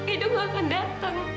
edo gak akan datang